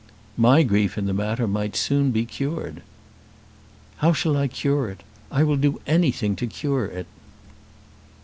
"My grief in the matter might soon be cured." "How shall I cure it? I will do anything to cure it."